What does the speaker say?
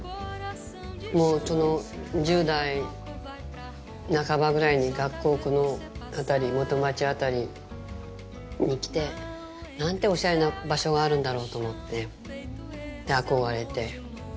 １０代半ばぐらいに学校、この辺り、元町辺りに来てなんておしゃれな場所があるんだろうと思って、憧れて。